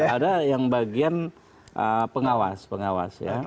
ada yang bagian pengawas pengawas ya